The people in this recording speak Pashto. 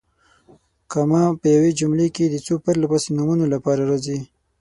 کامه په یوې جملې کې د څو پرله پسې نومونو لپاره راځي.